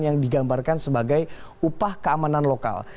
yang digambarkan sebagai upah keamanan lokal